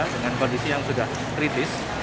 dengan kondisi yang sudah kritis